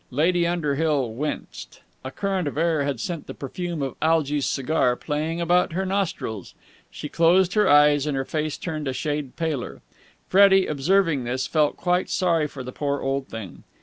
Lady Underhill winced. A current of air had sent the perfume of Algy's cigar playing about her nostrils. She closed her eyes, and her face turned a shade paler. Freddie, observing this, felt quite sorry for the poor old thing.